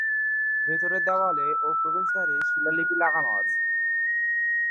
ভিতরের দেয়ালে ও প্রবেশদ্বারে শিলালিপি লাগানো আছে।